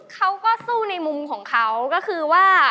เขาก็สู้ในมุมของเขาก็คือว่า